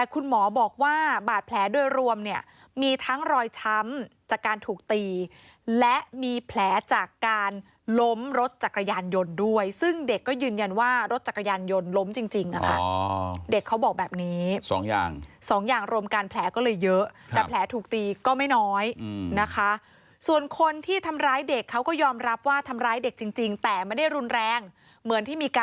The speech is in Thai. คุณหมอบอกว่าบาดแผลโดยรวมเนี่ยมีทั้งรอยช้ำจากการถูกตีและมีแผลจากการล้มรถจักรยานยนต์ด้วยซึ่งเด็กก็ยืนยันว่ารถจักรยานยนต์ล้มจริงค่ะเด็กเขาบอกแบบนี้สองอย่างสองอย่างรวมกันแผลก็เลยเยอะแต่แผลถูกตีก็ไม่น้อยนะคะส่วนคนที่ทำร้ายเด็กเขาก็ยอมรับว่าทำร้ายเด็กจริงแต่ไม่ได้รุนแรงเหมือนที่มีก